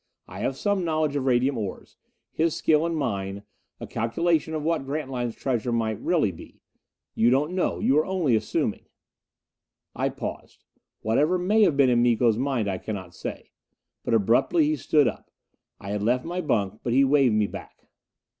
I have some knowledge of radium ores. His skill and mine a calculation of what Grantline's treasure may really be. You don't know; you are only assuming." I paused. Whatever may have been in Miko's mind I cannot say. But abruptly he stood up. I had left my bunk, but he waved me back.